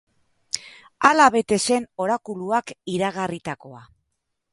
Hala bete zen orakuluak iragarritakoa.